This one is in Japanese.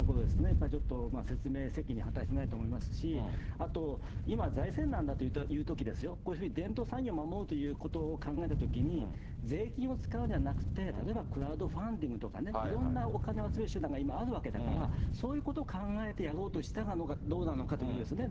やっぱりちょっと、説明責任を果たしてないと思いますし、あと、今、財政難だというときですよ、こういうふうに伝統産業を守るということを考えたときに、税金を使うんじゃなくて、例えばクラウドファンディングとかね、いろんなお金を集める手段が今あるわけだから、そういうことを考えてやろうとしたのかどうなのかということですね。